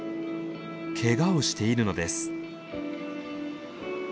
けがをしているのです。